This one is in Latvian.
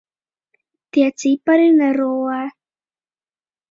Tie cipari nerullē.